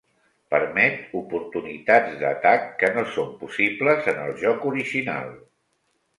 Permet oportunitats d'atac que no són possibles en el joc original.